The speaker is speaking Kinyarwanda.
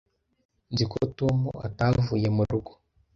Nzi ko Tom atavuye mu rugo.